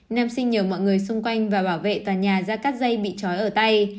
nam sinh nhờ mọi người xung quanh và bảo vệ tòa nhà ra cắt dây bị trói ở tay